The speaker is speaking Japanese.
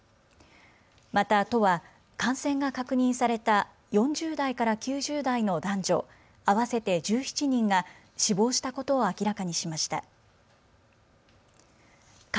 また、都は感染が確認された４０代から９０代の男女合わせて１７人が死亡したことを明らかにしました。